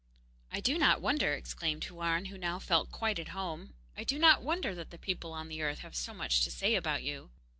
'I do not wonder,' exclaimed Houarn, who now felt quite at home 'I do not wonder that the people on the earth have so much to say about you.